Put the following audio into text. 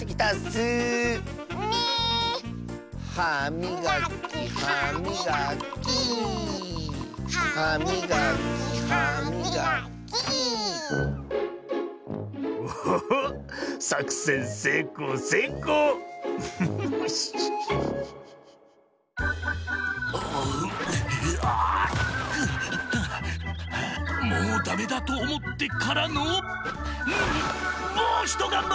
はあもうダメだとおもってからのもうひとがんばり！